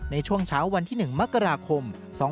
ในช่วงเช้าวันที่๑มกราคม๒๕๖๒